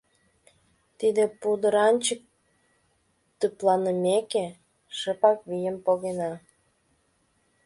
Тиде пудыранчык тыпланымеке, шыпак вийым погена.